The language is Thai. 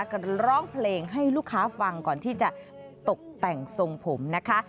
กันร้องเพลงให้ลูกค้าฟังก่อนที่จะตกแต่งทรงผมนะคะ